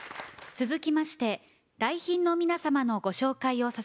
「続きまして来賓の皆様のご紹介をさせていただきます。